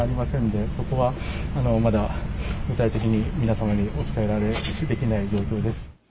で、ここはまだ具体的に皆様にお伝えできない状況です。